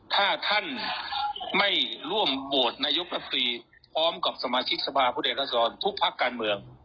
ถ้าท่านไม่ร่วมโบสถ์นายกรัฐศรีพร้อมกับสมาชิกสภาพุทธเอกสรรค์ทุกภาคการเมือง